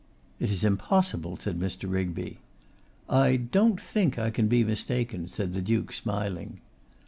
'It is impossible,' said Mr. Rigby. 'I don't think I can be mistaken,' said the Duke, smiling.